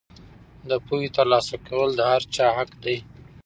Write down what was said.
د پوهې ترلاسه کول د هر چا حق دی.